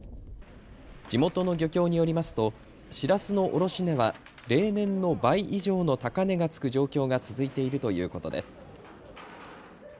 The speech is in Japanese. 地元の漁協によりますとシラスの卸値は例年の倍以上の高値がつく状況が続いているということです。